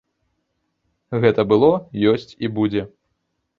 Гэта было, ёсць і будзе.